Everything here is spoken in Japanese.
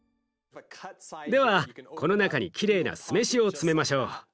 ではこの中にきれいな酢飯を詰めましょう。